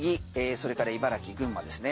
それから茨城、群馬ですね